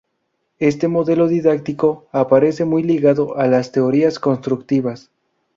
Este modelo didáctico aparece muy ligado a las teorías constructivistas.